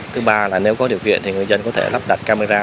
thứ ba là nếu có điều kiện thì người dân có thể lắp đặt camera